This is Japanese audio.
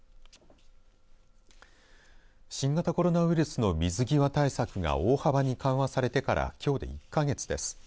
新型コロナウイルスの水際対策が大幅に緩和されてからきょうで１か月です。